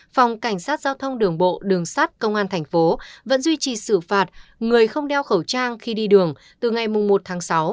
phòng cảnh sát giao thông đường bộ đường sát công an thành phố vẫn duy trì xử phạt người không đeo khẩu trang khi đi đường từ ngày một tháng sáu